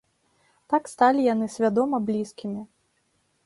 Так сталі яны свядома блізкімі.